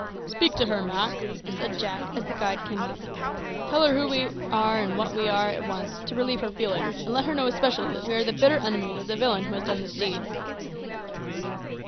"Speak to her, Mak," said Jack, as the guide came up. "Tell her who and what we are at once, to relieve her feelings; and let her know especially that we are the bitter enemies of the villain who has done this deed."